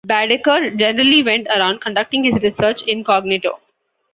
Baedeker generally went around conducting his research incognito.